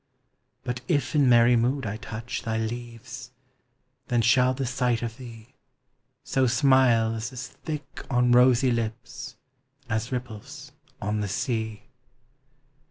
But if in merry mood I touch Thy leaves, then shall the sight of thee Sow smiles as thick on rosy lips As ripples on the sea.